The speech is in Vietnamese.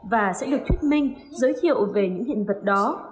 và sẽ được thuyết minh giới thiệu về những hiện vật đó